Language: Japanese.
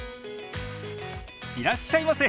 いらっしゃいませ！